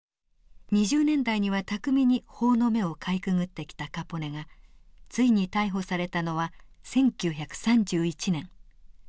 ２０年代には巧みに法の目をかいくぐってきたカポネがついに逮捕されたのは１９３１年。